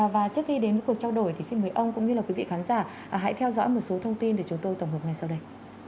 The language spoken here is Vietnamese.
và trước khi đến với cuộc trao đổi thì xin mời ông cũng như là quý vị khán giả hãy theo dõi một số thông tin để chúng tôi tổng hợp ngay sau đây